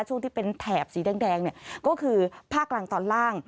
ช่วงที่เป็นแถบสีแดงเนี่ยก็คือภาคกลางตอนล่าง